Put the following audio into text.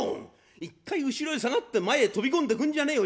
一回後ろへ下がって前へ飛び込んでくんじゃねえよ！